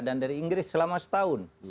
dan dari inggris selama setahun